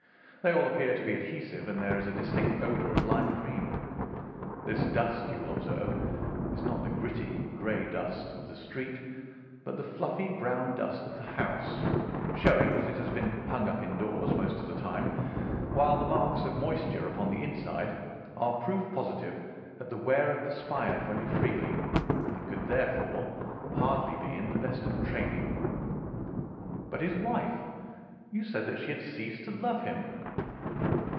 They all appear to be adhesive, and there is a distinct odour of lime cream. This dust, you will observe, is not the gritty, grey dust of the street but the fluffy brown dust of the house, showing that it has been hung up indoors most of the time, while the marks of moisture upon the inside are proof positive that the wearer perspired very freely, and could therefore, hardly be in the best of training." "But his wife—you said that she had ceased to love him."